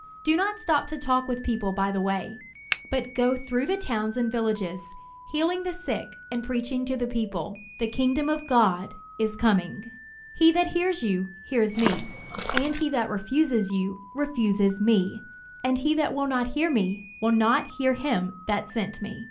Do not stop to talk with people by the way; but go through the towns and villages, healing the sick, and preaching to the people, 'The kingdom of God is coming,' He that hears you, hears me; and he that refuses you, refuses me; and he that will not hear me, will not hear him that sent me."